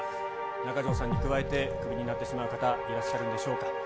中条さんに加えて、クビになってしまう方、いらっしゃるんでしょうか。